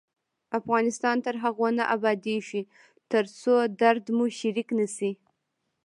افغانستان تر هغو نه ابادیږي، ترڅو درد مو شریک نشي.